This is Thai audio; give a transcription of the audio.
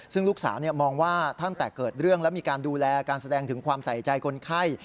ซึ่งลูกสาวมองว่าตั้งแต่เกิดเรื่องแล้วมีการดูแลการแสดงถึงความใส่ใจคนไข้